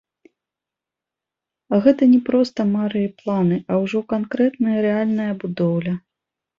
Гэта не проста мары і планы, а ўжо канкрэтная, рэальная будоўля.